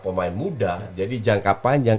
pemain muda jadi jangka panjang